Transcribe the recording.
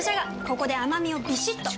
ここで甘みをビシッと！